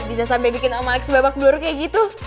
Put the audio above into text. bisa sampe bikin om alex babak belur kayak gitu